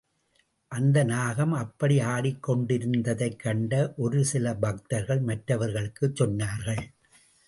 அந்த நாகம் அப்படி ஆடிக் கொண்டிருந்ததைக் கண்ட ஒரு சில பக்தர்கள் மற்றவர்களுக்கு சொன்னார்கள்.